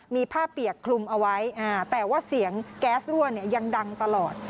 มีผ้าเปียกคลุมเอาไว้แต่ว่าเสียงแก๊สรั่วเนี่ยยังดังตลอด